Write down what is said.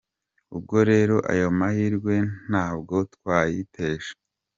Ubwo rero ayo mahirwe ntabwo twayitesha!”.